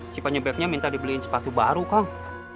cipa nyebeknya minta dibeliin sepatu baru kang